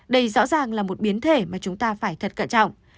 đây rõ ràng là một biến thể mà chúng ta phải thật cẩn trọng